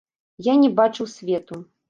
Я не бачыў свету.